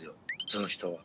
その人は。